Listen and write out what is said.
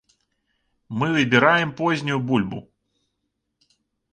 Мы выбіраем познюю бульбу.